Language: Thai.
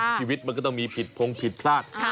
ชีวิตมันก็ต้องมีผิดพงผิดพลาด